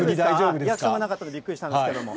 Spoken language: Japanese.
リアクションなかったので、びっくりしたんですけれども。